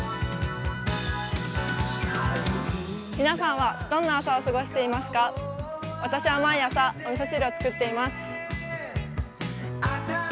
皆さんはどんな朝を過ごしていますか？